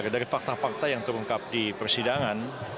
dari fakta fakta yang terungkap di persidangan